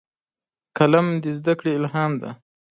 قلم د زدهکړې الهام دی